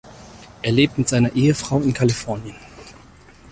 Er lebt mit seiner Ehefrau in Kalifornien.